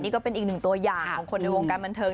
นี่ก็เป็นอีกหนึ่งตัวอย่างของคนในวงการบันเทิง